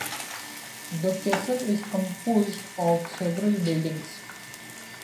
The castle is composed of several buildings.